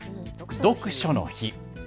読書の日。